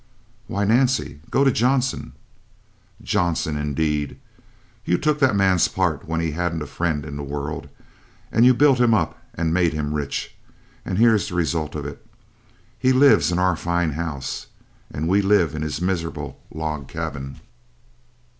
"Why, Nancy, go to Johnson ." "Johnson indeed! You took that man's part when he hadn't a friend in the world, and you built him up and made him rich. And here's the result of it: He lives in our fine house, and we live in his miserable log cabin.